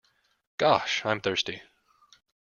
Gosh, I'm thirsty.